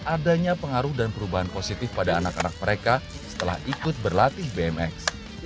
adanya pengaruh dan perubahan positif pada anak anak mereka setelah ikut berlatih bmx